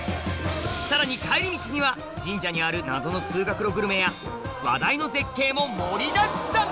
さらに帰り道には神社にある謎の通学路グルメや話題の絶景も盛りだくさん！